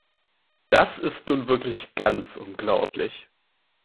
Das ist nun wirklich ganz unglaublich.